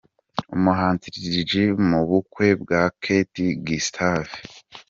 Umuhanzi Lil G mu bukwe bwa Kate Gustave.